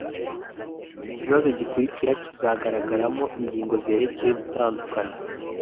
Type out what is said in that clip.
Ikibazo gikurikira kizagaragaramo ingingo zerekeye gutandukana